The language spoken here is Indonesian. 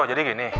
bro jadi begini